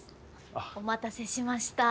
お待たせしました。